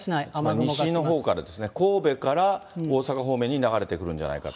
西のほうから、神戸から大阪方面に流れてくるんじゃないかと。